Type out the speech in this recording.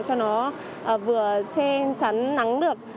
cho nó vừa chê chắn nắng được